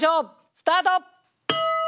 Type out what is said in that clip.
スタート！